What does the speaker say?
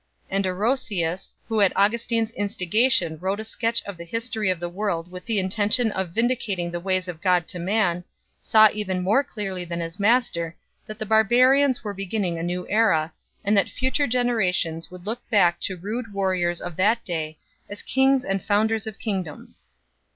And Orosius 3 , who, at Augustin s instigation wrote a sketch of the history of the world with the intention of vindicating the ways of God to man, saw even more clearly than his master that the barbarians were beginning a new era, and that future generations would look back to rude warriors of that day as kings and founders of kingdoms.